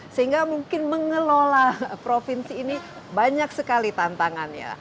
sehingga mungkin mengelola provinsi ini banyak sekali tantangannya